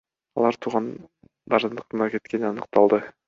Алар туугандарыныкына кеткени аныкталды.